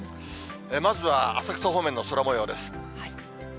まずは浅草方面の空もようです。